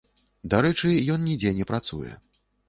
Дарэчы, ён нідзе не працуе.